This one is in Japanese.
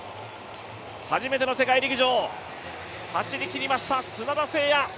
初めての世界陸上、走りきりました砂田晟弥。